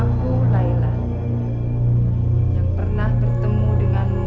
bagaimana kita bisa keluar dari kamar